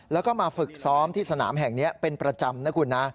แล้วก็มาฝึกซ้อมที่สนามแห่งนี้เป็นประจำนะคุณนะ